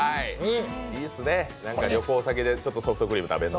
いいですね、旅行先でソフトクリーム食べるの。